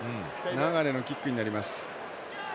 流のキックになります。